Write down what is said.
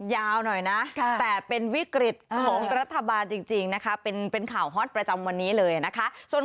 ยาวหน่อยนะแต่เป็นวิกฤตของรัฐบาลจริงนะคะเป็นข่าวฮอตประจำวันนี้เลยนะคะ